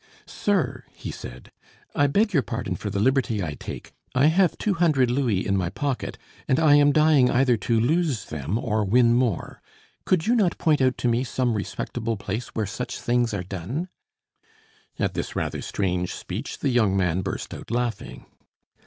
"Sir," he said, "I beg your pardon for the liberty I take. I have two hundred louis in my pocket and I am dying either to lose them or win more. Could you not point out to me some respectable place where such things are done?" At this rather strange speech the young man burst out laughing.